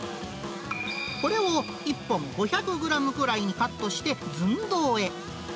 これを１本５００グラムぐらいにカットして寸胴へ。